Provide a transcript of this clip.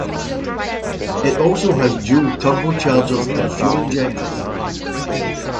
It also has dual turbochargers and fuel injectors.